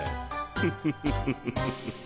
フフフフフフフ。